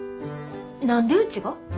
何でうちが？